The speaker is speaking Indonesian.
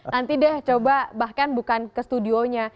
nanti deh coba bahkan bukan ke studionya